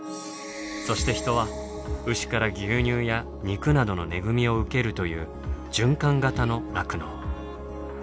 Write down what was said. そしてヒトは牛から牛乳や肉などの恵みを受けるという循環型の酪農。